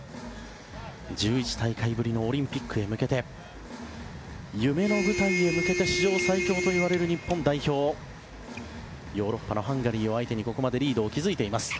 １１大会ぶりのオリンピックへ向けて夢の舞台へ向けて史上最強といわれる日本代表ヨーロッパのハンガリーを相手にここまでリードを築いています。